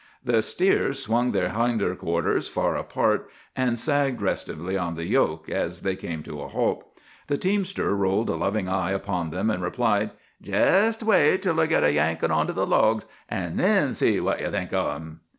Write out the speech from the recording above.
"The steers swung their hindquarters far apart, and sagged restively on the yoke, as they came to a halt. The teamster rolled a loving eye upon them, and replied,— "'Jest wait till they git yankin' onto the logs, an' then see what you think of 'em!